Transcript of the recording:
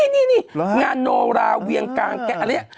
นี่งานโนราเวียงกลางแก๊ะอะไรเนี่ย